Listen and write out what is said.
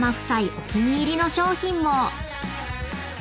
お気に入りの商品も］